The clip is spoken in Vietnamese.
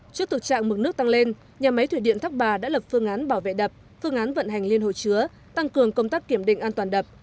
trước thực trạng mực nước tăng lên nhà máy thủy điện thác bà đã lập phương án bảo vệ đập phương án vận hành liên hồ chứa tăng cường công tác kiểm định an toàn đập